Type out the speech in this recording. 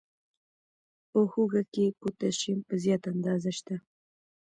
په هوږه کې پوتاشیم په زیاته اندازه شته.